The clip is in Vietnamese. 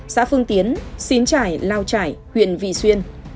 xã phương tiến xín trải lao trải huyện vị xuyên